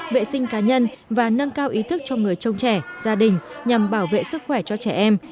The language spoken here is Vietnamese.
vệ sinh cá nhân và nâng cao ý thức cho người trông trẻ gia đình nhằm bảo vệ sức khỏe cho trẻ em